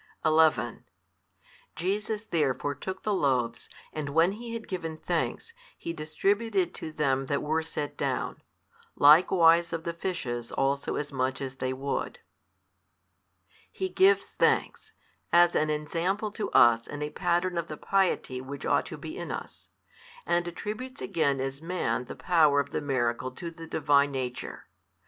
11 Jesus therefore took the loaves, and when He had given thanks, He distributed 7 to them that were set down; likewise of the fishes also as much as they would. He gives thanks, as an ensample to us and a pattern of the piety which ought to be in us: and attributes again as Man the Power of the miracle to the Divine Nature.